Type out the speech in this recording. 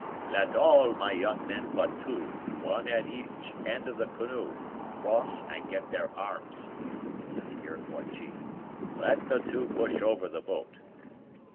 "Let all my young men but two, one at each end of the canoe, cross and get their arms," said the Iroquois chief. "Let the two push over the boat."